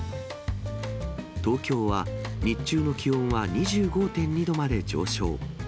東京は、日中の気温は２５．２度まで上昇。